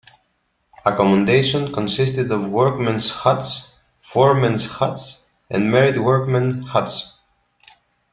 Accommodation consisted of workmen's huts, foremen's huts and married workmen's huts.